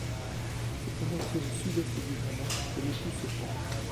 C'est en effet au sud-est du jardin que l'époux se pend.